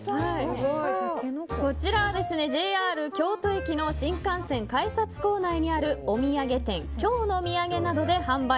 こちらはＪＲ京都駅の新幹線改札構内にあるお土産店、京のみやげなどで販売。